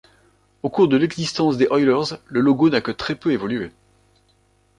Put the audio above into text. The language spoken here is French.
Au cours de l’existence des Oilers, le logo n’a que très peu évolué.